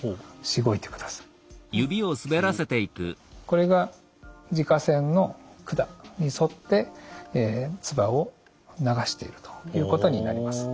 これが耳下腺の管に沿って唾を流しているということになります。